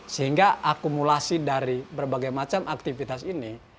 sehingga akumulasi dari berbagai macam aktivitas ini